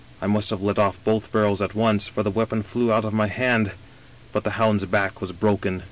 I must have let off both barrels at once, for the weapon flew out of my hand, but the hound's back was broken.